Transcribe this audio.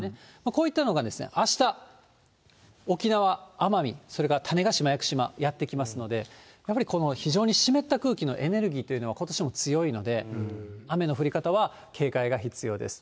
こういったのが、あした、沖縄・奄美、それから種子島・屋久島、やって来ますので、やっぱりこの非常に湿った空気のエネルギーというのは、ことしも強いので、雨の降り方は警戒が必要です。